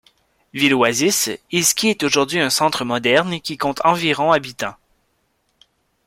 Ville-oasis, Izki est aujourd'hui un centre moderne qui compte environ habitants.